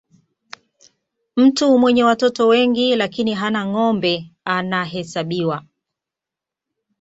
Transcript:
mtu mwenye watoto wengi lakini hana ngombe anahesabiwa